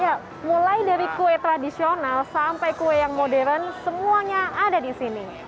ya mulai dari kue tradisional sampai kue yang modern semuanya ada di sini